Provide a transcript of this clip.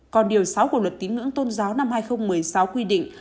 còn điều sáu của luật tín ngưỡng tôn giáo năm hai nghìn một mươi sáu quy định